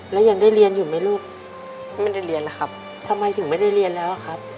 แล้วยังได้เรียนอยู่ไหมลูกไม่ได้เรียนแล้วครับทำไมถึงไม่ได้เรียนแล้วครับ